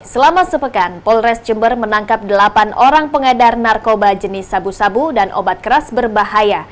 selama sepekan polres jember menangkap delapan orang pengedar narkoba jenis sabu sabu dan obat keras berbahaya